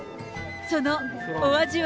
そのお味は。